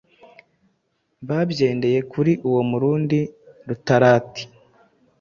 Babyendeye kuri uwo murundi Rutarati.